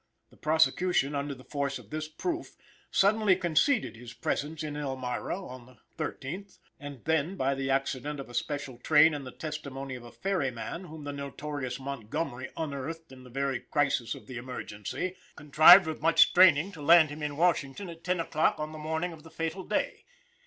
The prosecution, under the force of this proof, suddenly conceded his presence in Elmira on the 13th, and then, by the accident of a special train and the testimony of a ferryman whom the notorious Montgomery unearthed in the very crisis of the emergency, contrived with much straining to land him in Washington at 10 o'clock on the morning of the fatal day.